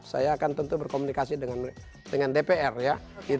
saya akan tentu berkomunikasi dengan dpr ya